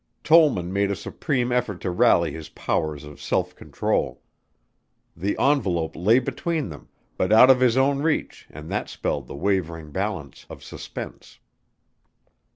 Tollman made a supreme effort to rally his powers of self control. The envelope lay between them but out of his own reach and that spelled the wavering balance of suspense.